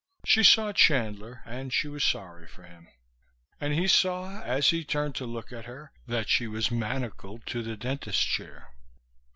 She saw Chandler and she was sorry for him. And he saw, as he turned to look at her, that she was manacled to the dentist's chair.